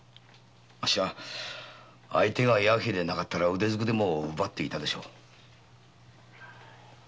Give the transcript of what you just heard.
あっしは相手が弥平でなかったら腕ずくでも奪っていたでしょう。